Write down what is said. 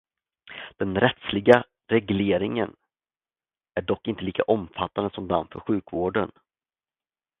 Den rättsliga regleringen är dock inte lika omfattande som den för sjukvården.